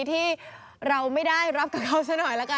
ที่เราไม่ได้รับกับเขาซะหน่อยละกัน